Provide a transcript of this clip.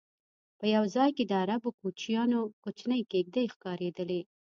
په یو ځای کې د عربو کوچیانو کوچنۍ کېږدی ښکارېدلې.